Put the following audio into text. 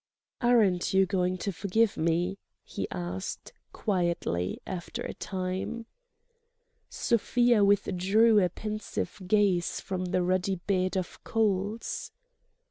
"Aren't you going to forgive me?" he asked, quietly, after a time. Sofia withdrew a pensive gaze from the ruddy bed of coals.